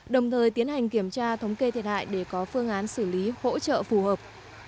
đồng thời tiến hành kiểm tra thống kê thiệt hại để có phương án xử lý hỗ trợ phù hợp